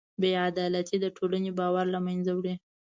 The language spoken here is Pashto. بېعدالتي د ټولنې باور له منځه وړي.